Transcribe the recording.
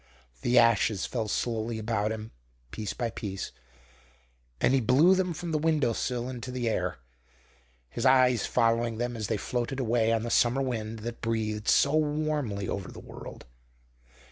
The ashes fell slowly about him, piece by piece, and he blew them from the window sill into the air, his eyes following them as they floated away on the summer wind that breathed so warmly over the world.